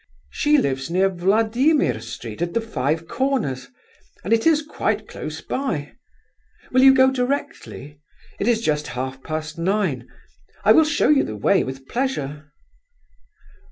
She lives near Wladimir Street, at the Five Corners, and it is quite close by. Will you go directly? It is just half past nine. I will show you the way with pleasure."